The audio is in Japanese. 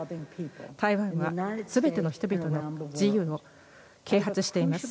台湾は全ての人々の自由を啓発しています。